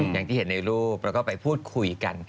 อย่างที่เห็นในรูปแล้วก็ไปพูดคุยกัน